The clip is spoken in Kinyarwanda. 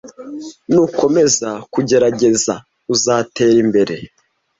Nukomeza kugerageza, uzatera imbere.